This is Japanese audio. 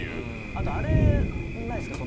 あとあれないですか？